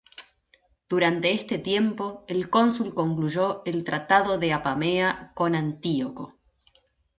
Durante este tiempo, el cónsul concluyó el "Tratado de Apamea" con Antíoco.